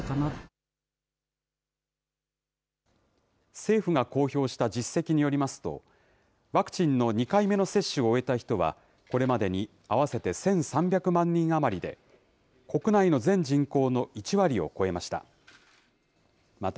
政府が公表した実績によりますと、ワクチンの２回目の接種を終えた人は、これまでに合わせて１３００万人余りで、国内の全人口の１割を超えました。